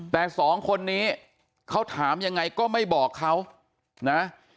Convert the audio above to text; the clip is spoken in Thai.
แต่สองคนนี้เขาถามยังไงก็ไม่บอกเขานะ